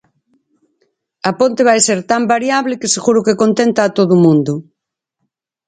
A ponte vai ser tan variable que seguro que contenta a todo o mundo.